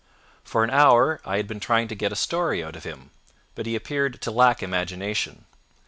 For an hour I had been trying to get a story out of him, but he appeared to lack imagination.